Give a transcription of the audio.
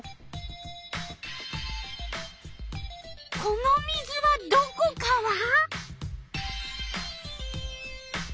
この水はどこから？